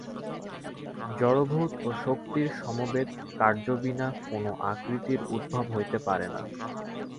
জড়ভূত ও শক্তির সমবেত কার্য বিনা কোন আকৃতির উদ্ভব হইতে পারে না।